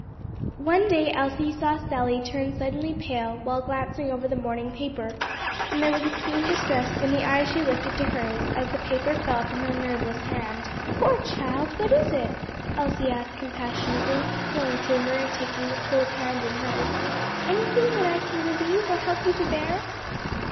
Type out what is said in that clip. One day Elsie saw Sally turn suddenly pale while glancing over the morning paper and there was keen distress in the eyes she lifted to hers as the paper fell from her nerveless hand. "Poor child; what is it?" Elsie asked compassionately, going to her and taking the cold hand in hers, "anything that I can relieve or help you to bear?"